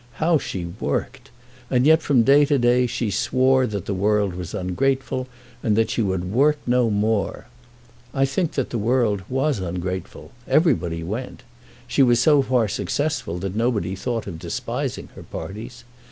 How she worked! And yet from day to day she swore that the world was ungrateful, and that she would work no more! I think that the world was ungrateful. Everybody went. She was so far successful that nobody thought of despising her parties.